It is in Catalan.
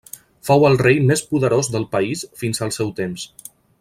Fou el rei més poderós del país fins al seu temps.